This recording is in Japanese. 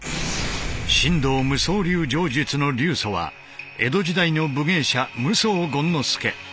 神道夢想流杖術の流祖は江戸時代の武芸者夢想権之助。